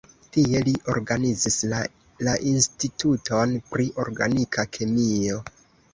Tie li organizis la la instituton pri organika kemio.